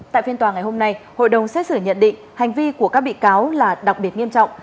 tại phiên tòa ngày hôm nay hội đồng xét xử nhận định hành vi của các bị cáo là đặc biệt nghiêm trọng